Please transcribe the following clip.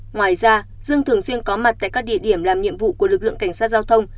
ngoài ra dương thường xuyên có mặt tại các địa điểm làm nhiệm vụ của lực lượng cảnh sát giao thông